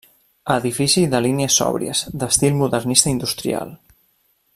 Edifici de línies sòbries, d'estil modernista industrial.